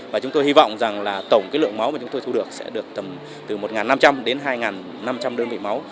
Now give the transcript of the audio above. và chúng tôi hy vọng tổng lượng máu chúng tôi thu được sẽ được từ một năm trăm linh đến hai năm trăm linh đơn vị máu